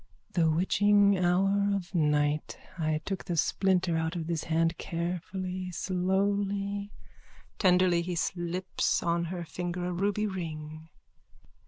_ The witching hour of night. I took the splinter out of this hand, carefully, slowly. _(Tenderly, as he slips on her finger a ruby ring.)